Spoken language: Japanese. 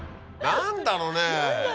何だろう？